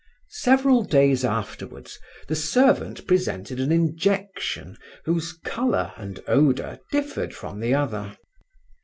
Several days afterwards, the servant presented an injection whose color and odor differed from the other.